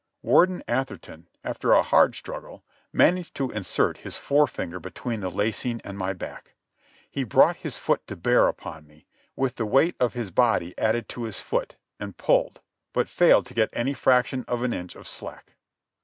Warden Atherton, after a hard struggle, managed to insert his forefinger between the lacing and my back. He brought his foot to bear upon me, with the weight of his body added to his foot, and pulled, but failed to get any fraction of an inch of slack.